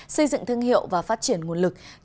xây dựng thương hiệu và phát triển nguồn lực